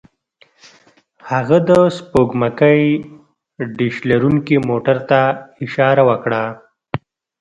هغه د سپوږمکۍ ډیش لرونکي موټر ته اشاره وکړه